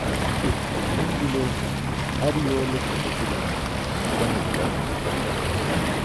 hunzulo har yoole tʰumaśilaṅar tamaśa mey bila